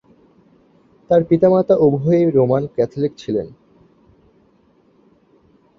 তার পিতামাতা উভয়েই রোমান ক্যাথলিক ছিলেন।